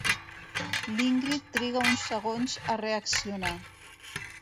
L'Ingrid triga uns segons a reaccionar.